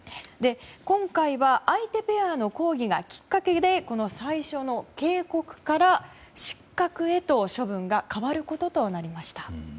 今回は相手ペアの抗議がきっかけで最初の警告から失格へと処分が変わることとなりました。